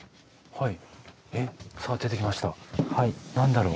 はい。